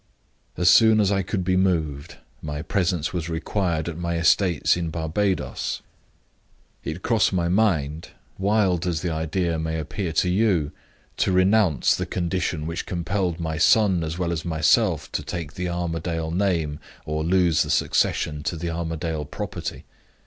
"As soon as I could be moved, my presence was required at my estates in Barbadoes. It crossed my mind wild as the idea may appear to you to renounce the condition which compelled my son as well as myself to take the Armadale name, or lose the succession to the Armadale property.